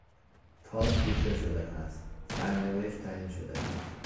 تاس ریخته شده است، سرنوشت تعیین شده است.